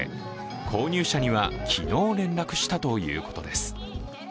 購入者には昨日、連絡したということです。